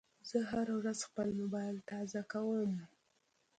زه هره ورځ خپل موبایل تازه کوم.